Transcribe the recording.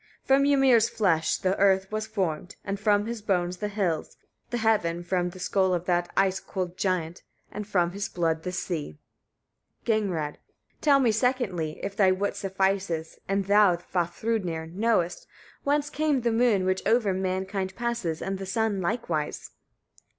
_ 21. From Ymir's flesh the earth was formed, and from his bones the hills, the heaven from the skull of that ice cold giant, and from his blood the sea. Gagnrâd. 22. Tell me secondly, if thy wit suffices, and thou, Vafthrûdnir! knowest, whence came the moon, which over mankind passes, and the sun likewise?